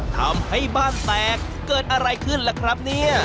ทำให้บ้านแตกเกิดอะไรขึ้นล่ะครับเนี่ย